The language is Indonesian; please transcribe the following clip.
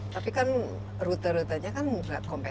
tapi kan rute rutenya kan enggak kompleks